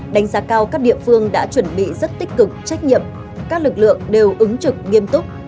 đánh giá cao các địa phương đã chuẩn bị rất tích cực trách nhiệm các lực lượng đều ứng trực nghiêm túc